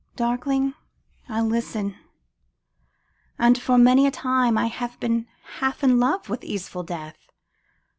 Darkling I listen ; and for many a time I have been half in love with easeful Death.